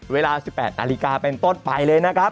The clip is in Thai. เวลา๑๘นาฬิกาเป็นต้นไปเลยนะครับ